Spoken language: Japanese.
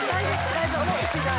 大丈夫？